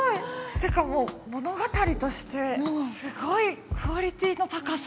てかもう物語としてすごいクオリティーの高さ。